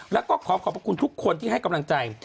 แล้วก็ขอขอบพระคุณทุกคนที่ให้กำลังใจ